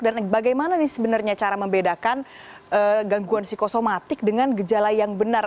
dan bagaimana nih sebenarnya cara membedakan gangguan psikosomatik dengan gejala yang benar